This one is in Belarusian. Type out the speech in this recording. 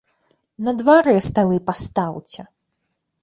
На дварэ сталы пастаўце.